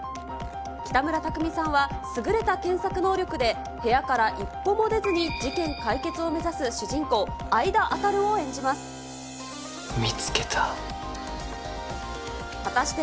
北村匠海さんは、優れた検索能力で部屋から一歩も出ずに事件解決を目指す主人公、見つけた。